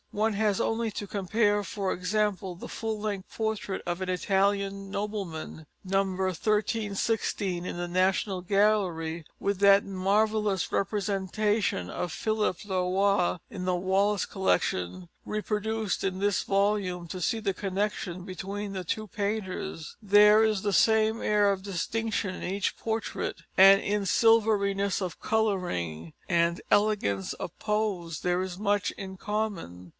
One has only to compare, for example, the full length portrait of an Italian nobleman, No. 1316 in the National Gallery, with that marvellous representation of Philip le Roy in the Wallace Collection, reproduced in this volume, to see the connection between the two painters. There is the same air of distinction in each portrait, and in silveriness of colouring and elegance of pose there is much in common.